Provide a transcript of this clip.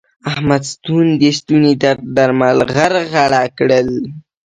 احمد د ستوني درد درمل غرغړه کړل.